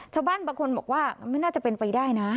ชาวบ้านบางคนบอกว่าไม่น่าจะเป็นไปได้นะ